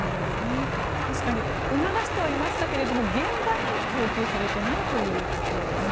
確かに促してはいましたけれども現場に供給されていないということですね。